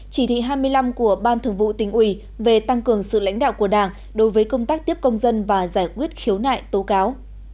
chỉ thị hai mươi năm của ban thường vụ tỉnh ủy về tăng cường sự lãnh đạo của đảng đối với công tác tiếp công dân và giải quyết khiếu nại tố cáo